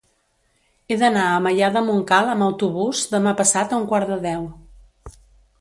He d'anar a Maià de Montcal amb autobús demà passat a un quart de deu.